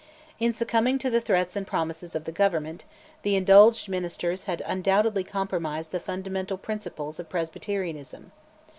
In succumbing to the threats and promises of the Government, the Indulged ministers had undoubtedly compromised the fundamental principles of Presbyterianism.